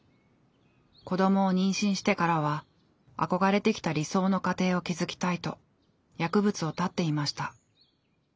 子どもを妊娠してからは憧れてきた理想の家庭を築きたいと薬物を絶っていました。